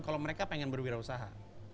kalau mereka pengen berwirausaha